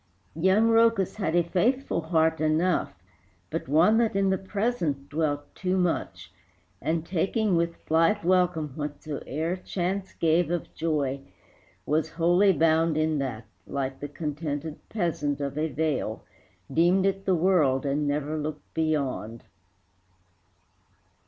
Young Rhœcus had a faithful heart enough, But one that in the present dwelt too much, And, taking with blithe welcome whatsoe'er Chance gave of joy, was wholly bound in that, Like the contented peasant of a vale, Deemed it the world, and never looked beyond.